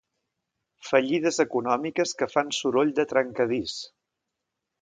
Fallides econòmiques que fan soroll de trencadís.